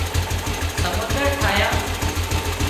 سمنۮر ٺاهيان